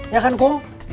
ya kan kung